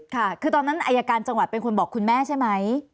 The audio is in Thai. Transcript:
ค่ะคือตอนนั้นอายการจังหวัดเป็นคนบอกคุณแม่ใช่ไหม